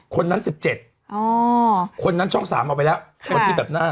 คนนั้นสิบเจ็ดอ๋อคนนั้นช่องสามเอาไปแล้วคนนั้นที่แบบหน้า